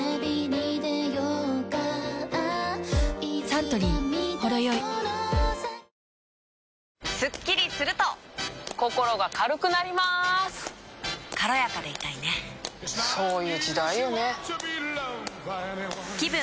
サントリー「ほろよい」スッキリするとココロが軽くなります軽やかでいたいねそういう時代よねぷ